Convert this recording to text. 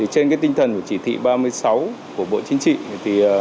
trên tinh thần của chỉ thị ba mươi sáu của bộ chính trị